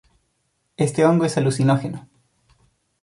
Este hongo es alucinógeno.